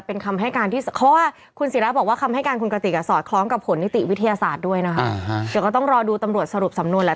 เป็นคำให้การที่เพราะว่าคุณศิราบอกว่าคำให้การคุณกระติกสอดคล้องกับผลนิติวิทยาศาสตร์ด้วยนะคะเดี๋ยวก็ต้องรอดูตำรวจสรุปสำนวนแหละ